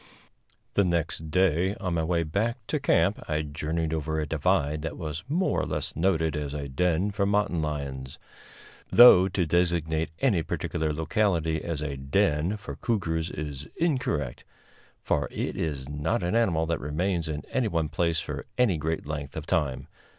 The next day, on my way back to camp, I journeyed over a divide that was more or less noted as a den for mountain lions; though to designate any particular locality as a "den" for cougars is incorrect, for it is not an animal that remains in any one place for any great length of time.